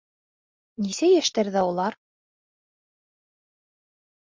Нисә йәштәрҙә улар?